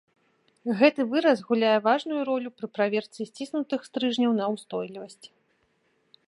Гэты выраз гуляе важную ролю пры праверцы сціснутых стрыжняў на ўстойлівасць.